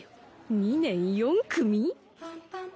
２年４組？